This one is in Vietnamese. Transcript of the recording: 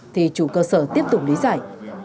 thì chủ cơ sở tiếp tục lý giải